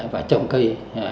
và trồng cây